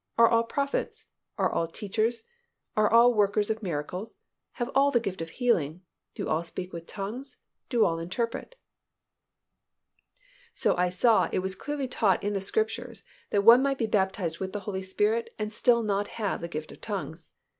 Are all prophets? Are all teachers? Are all workers of miracles? Have all the gift of healing? Do all speak with tongues? Do all interpret?" So I saw it was clearly taught in the Scriptures that one might be baptized with the Holy Spirit and still not have the gift of tongues.